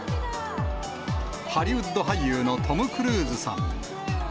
ハリウッド俳優のトム・クルーズさん。